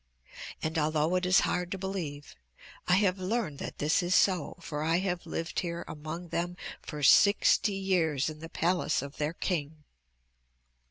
And, although it is hard to believe, I have learned that this is so, for I have lived here among them for sixty years in the palace of their king.